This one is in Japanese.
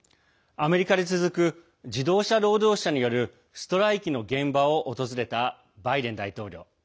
アメリカで続く自動車労働者によるストライキの現場を訪れたバイデン大統領。